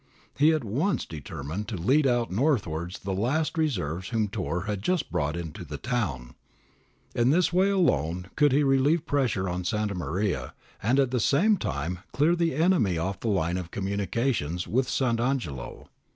He at once determined to lead out northwards the last reserves whom Turr had just brought into the town. In this way alone could he relieve the pressure on Santa Maria and at the same time clear the enemy off the line of communications with Sant' Angelo.